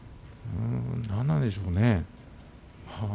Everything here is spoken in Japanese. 何なんでしょうね。